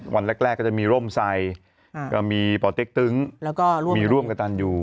วันแรกก็จะมีร่มใส่ก็มีป่อเต็กตึ้งแล้วก็มีร่วมกับตันอยู่